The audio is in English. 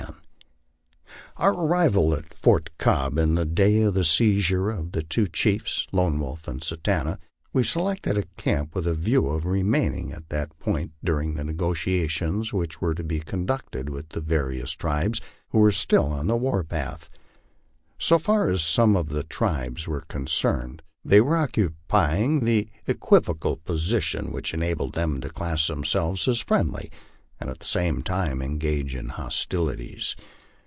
Upon our arrival at Fort Cobb, the day of the seizure of the two chiefs, Lone Wolf and Satanta, we selected a camp with a view of remaining at that point during the negotiations which were to be conducted with the various tribes who were still on the war path. So far as some of the tribes were con cerned, they were occupying that equivocal position which enabled them to class themselves as friendly and at the same time engage in hostilities.